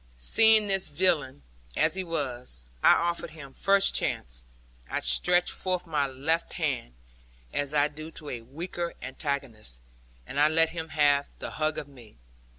Seeing this, villain as he was, I offered him first chance. I stretched forth my left hand, as I do to a weaker antagonist, and I let him have the hug of me.